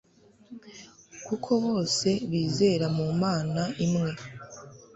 kuko bose bizera mu mana imwe